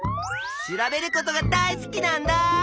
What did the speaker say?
調べることが大好きなんだ！